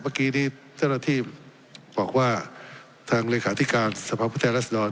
เมื่อกี้นี่เจ้าหน้าที่บอกว่าทางเลขาที่การสภาพประเทศแลชนอน